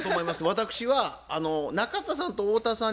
私は中田さんと太田さん